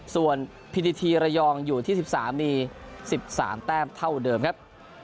ส่วนพิธีทีระยองอยู่ที่๑๓มี๑๓แต้มเท่าเดิมครับ